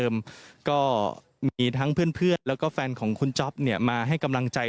ก็มีทั้งเพื่อนแล้วก็แฟนของคุณจ๊อปเนี่ยมาให้กำลังใจ